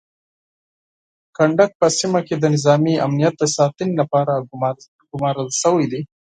کنډک په سیمه کې د نظامي امنیت د ساتنې لپاره ګمارل شوی دی.